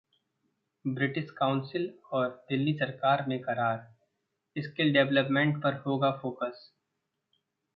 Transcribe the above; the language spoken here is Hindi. ब्रिटिश काउंसिल और दिल्ली सरकार में करार, स्किल डेवलपमेंट पर होगा फोकस